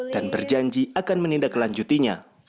dan berjanji akan menindak lanjutinya